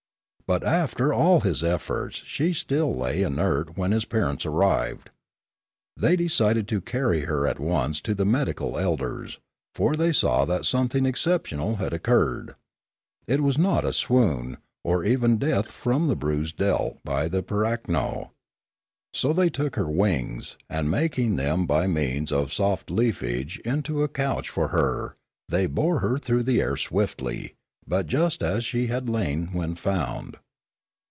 But after all his efforts she lay still inert when his parents arrived. They decided to carry her at once to the medical elders, for they saw that something excep tional had occurred; it was not a swoon, or even death from the bruise dealt by the pirakno. So they took her wings, and making them by means of soft leafage into a couch for her, they bore her through the air swiftly, but just as she had lain when found.